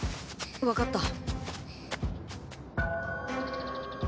分かった。